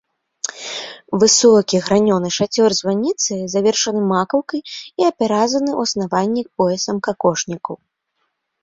Высокі гранёны шацёр званіцы завершаны макаўкай і апяразаны ў аснаванні поясам какошнікаў.